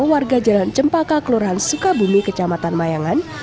warga jalan cempaka kelurahan sukabumi kecamatan mayangan